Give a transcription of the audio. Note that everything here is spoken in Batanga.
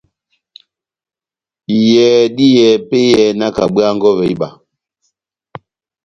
Iyɛhɛ dá iyɛhɛ epɛ́yɛ, nakabwaha nkɔvɛ iba.